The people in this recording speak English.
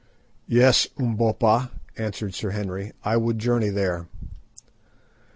"Yes, Umbopa," answered Sir Henry, "I would journey there."